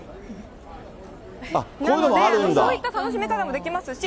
そういった楽しみ方もできますし。